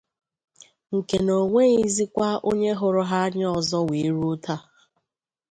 nke na o nweghịzịkwa onye hụrụ ha anya ọzọ wee ruo taa.